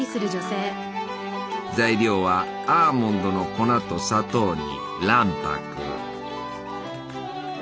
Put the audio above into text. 材料はアーモンドの粉と砂糖に卵白。